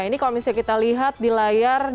ini kalau misalnya kita lihat di layar dari jepang